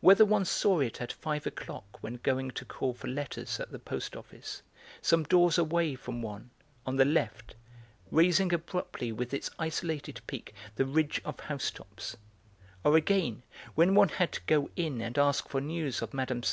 Whether one saw it at five o'clock when going to call for letters at the post office, some doors away from one, on the left, raising abruptly with its isolated peak the ridge of housetops; or again, when one had to go in and ask for news of Mme.